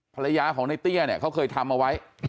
ภรรยาของในเตี้ยเนี่ยเขาเคยทำเอาไว้